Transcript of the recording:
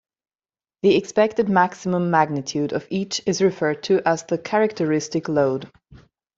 The expected maximum magnitude of each is referred to as the characteristic load.